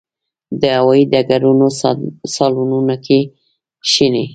د هوايي ډګرونو صالونونو کې کښېني.